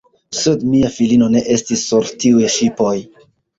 Sed mia filino ne estis sur tiuj ŝipoj.